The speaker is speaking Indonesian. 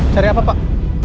cari apa pak